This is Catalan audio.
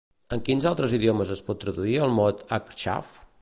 En quins altres idiomes es pot traduir el mot Acxaf?